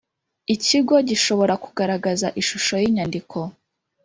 Ikigo gishobora kugaragaza ishusho y inyandiko